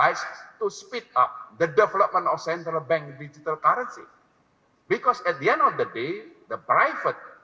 indonesia sudah mengambil konsultatif